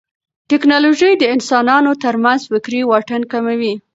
ټیکنالوژي د انسانانو ترمنځ فکري واټن کموي.